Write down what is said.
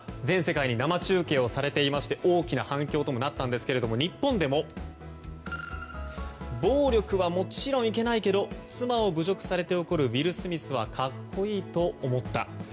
全世界に生中継されていまして大きな反響ともなったんですけど日本でも、暴力はもちろんいけないけど妻を侮辱されて怒るウィル・スミスは格好いいと思った。